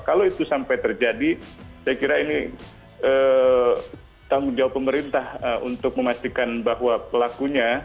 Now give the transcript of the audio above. kalau itu sampai terjadi saya kira ini tanggung jawab pemerintah untuk memastikan bahwa pelakunya